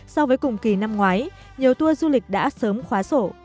so với cùng kỳ năm ngoái nhiều tour du lịch đã sớm khóa sổ